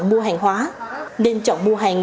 mua hàng hóa nên chọn mua hàng